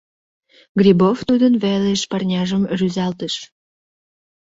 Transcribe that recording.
Грибов тудын велыш парняжым рӱзалтыш.